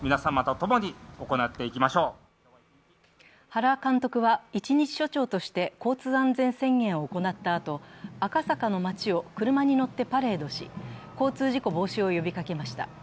原監督は一日署長として交通安全宣言を行ったあと、赤坂の街を車に乗ってパレードし、交通事故防止を呼びかけました。